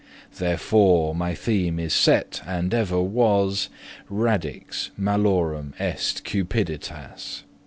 Therefore my theme is yet, and ever was, — Radix malorum est cupiditas.